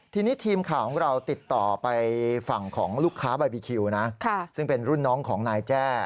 ทีนี้ทีมข่าวของเราติดต่อไปฝั่งของลูกค้าบาร์บีคิวนะซึ่งเป็นรุ่นน้องของนายแจ้